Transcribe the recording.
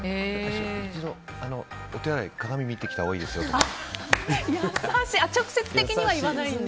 一度、お手洗いで鏡見てきたほうがいいですよとか。